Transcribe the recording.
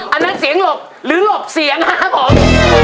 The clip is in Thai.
อันนั้นเสียงหลบหรือหลบเสียงนะครับผม